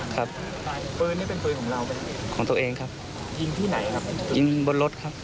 ครับปืนนี่เป็นปืนของเราของตัวเองครับยิงที่ไหนครับยิงบนรถครับ